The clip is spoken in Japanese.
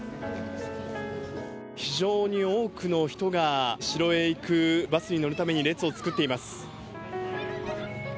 非常に多くの人が、城へ行くバスに乗るために列を作っています。